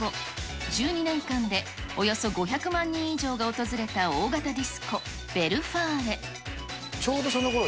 １２年間でおよそ５００万人以上が訪れた大型ディスコ、ヴェルフちょうどそのころ